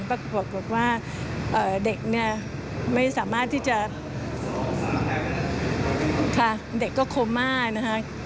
ปรากฏว่าเด็กเนี่ยไม่สามารถที่จะค่ะเด็กก็โคม่านะคะ